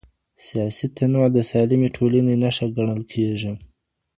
سیاسي تنوع د سالمې ټولني نښه ګڼل کېږي.